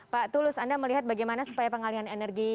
pak tulus anda melihat bagaimana supaya pengalian energi